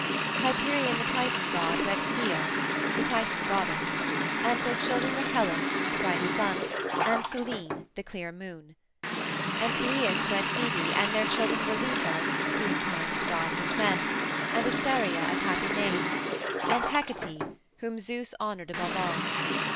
Hyperion the Titan god wed Theia the Titan goddess, and their children were Hellos, the bright Sun, and Selene, the clear Moon. And Coeus wed Phoebe, and their children were Leto, who is kind to gods and men, and Asteria of happy name, and Hecate, whom Zeus honored above all.